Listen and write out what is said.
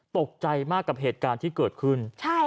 ตกใจมากกับเหตุการณ์ที่เกิดขึ้น